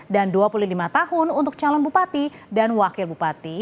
dan dua puluh lima tahun untuk calon bupati dan wakil bupati